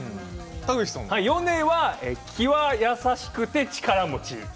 ヨネは気が優しくて力持ち。